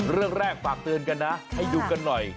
เรื่องแรกฝากเตือนกันนะให้ดูกันหน่อย